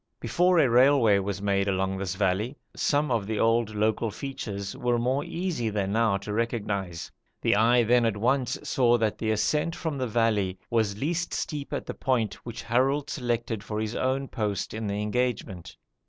Before a railway was made along this valley, some of the old local features were more easy than now to recognise. The eye then at once saw that the ascent from the valley was least steep at the point which Harold selected for his own post in the engagement.